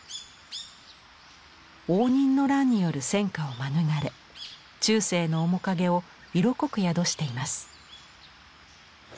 応仁の乱による戦火を免れ中世の面影を色濃く宿しています。